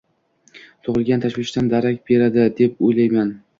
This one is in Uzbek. tug‘ilgan tashvishdan darak beradi, deb o‘ylayman.